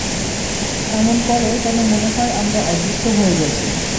এমন করো যেন মনে হয় আমরা অদৃশ্য হয়ে গেছি।